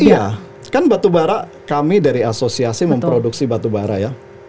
iya kan batubara kami dari asosiasi memproduksi batubara ya